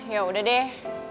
ya udah deh